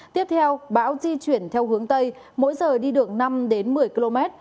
tiếp theo bão di chuyển theo hướng tây mỗi giờ đi được năm đến một mươi km